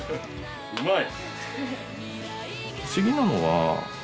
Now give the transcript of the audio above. うまい！